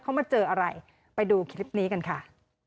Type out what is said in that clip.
เขามาเจออะไรไปดูคลิปนี้กันค่ะ